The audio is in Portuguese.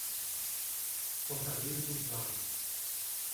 Fortaleza dos Valos